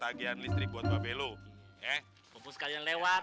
bagian listrik buat babelo ya umpuk kalian lewat